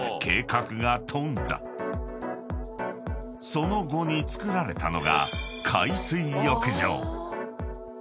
［その後に造られたのが］